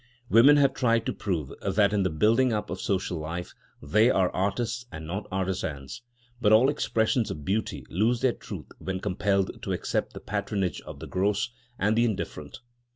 Women have tried to prove that in the building up of social life they are artists and not artisans. But all expressions of beauty lose their truth when compelled to accept the patronage of the gross and the indifferent.